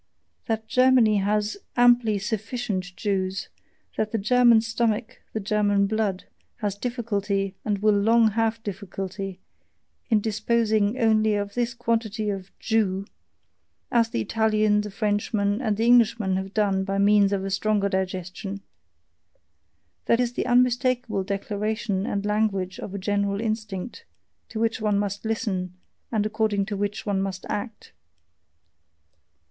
That Germany has amply SUFFICIENT Jews, that the German stomach, the German blood, has difficulty (and will long have difficulty) in disposing only of this quantity of "Jew" as the Italian, the Frenchman, and the Englishman have done by means of a stronger digestion: that is the unmistakable declaration and language of a general instinct, to which one must listen and according to which one must act.